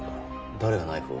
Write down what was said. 誰がナイフを？